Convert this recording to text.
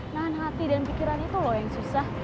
nahan hati dan pikiran itu loh yang susah